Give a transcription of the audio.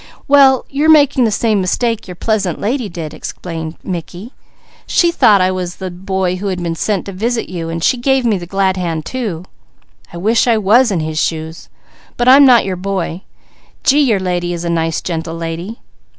"Well you're making the same mistake your pleasant lady did," explained Mickey. "She thought I was the boy who had been sent to visit you, so she gave me the glad hand too. I wish I was in his shoes! But I'm not your boy. Gee, your lady is a nice gentle lady."